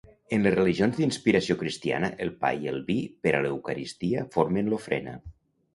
En les religions d'inspiració cristiana, el pa i el vi per a l'eucaristia formen l'ofrena.